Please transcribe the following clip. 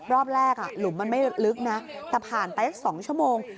รอบแรกหลุมมันไม่ลึกนะแต่ผ่านไปสัก๒ชั่วโมง